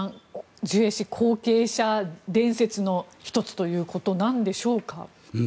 ジュエ氏後継者伝説の１つということなんでしょうか。